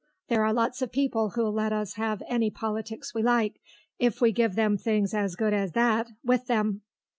There are lots of people who'll let us have any politics we like if we give them things as good as that with them."